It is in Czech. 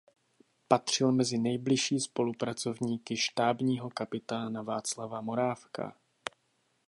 Patřil mezi nejbližší spolupracovníky štábního kapitána Václava Morávka.